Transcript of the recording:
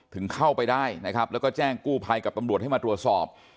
ถึงเข้าไปได้นะครับแล้วก็แจ้งกู้ภัยกับตำรวจให้มาตรวจสอบ